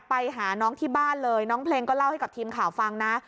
ไปหาน้องที่บ้านเลยน้องเพลงก็เล่าให้กับทีมข่าวฟังนะ